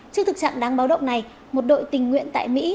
trước thực trạng đáng báo động này một đội tình nguyện tại mỹ